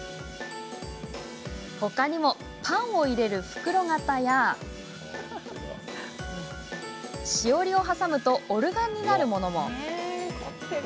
ほかにもパンを入れる袋形やしおりを挟むとオルガンになるものも。